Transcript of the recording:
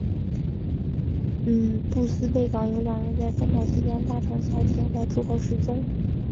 布斯贝港有两人在风暴期间搭乘小艇外出后失踪。